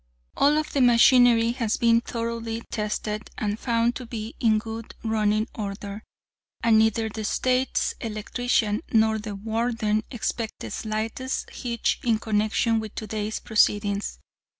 "All of the machinery has been thoroughly tested, and found to be in good running order, and neither the State's Electrician nor the Warden expect the slightest hitch in connection with today's proceedings.